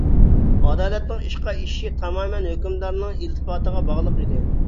ئادالەتنىڭ ئىشقا ئېشىشى تامامەن ھۆكۈمدارنىڭ ئىلتىپاتىغا باغلىق ئىدى.